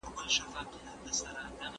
خو له هغو څخه عبرت اخیستل کېدای سي.